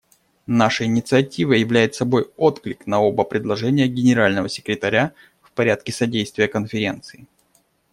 Наша инициатива являет собой отклик на оба предложения Генерального секретаря в порядке содействия Конференции.